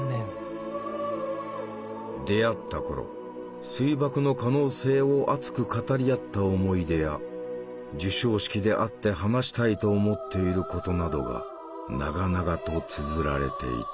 出会った頃水爆の可能性を熱く語り合った思い出や授賞式で会って話したいと思っていることなどが長々とつづられていた。